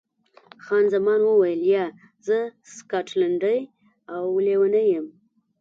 خان زمان وویل، یا، زه سکاټلنډۍ یم او لیونۍ یم.